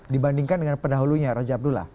dibandingkan dengan pendahulunya raja abdullah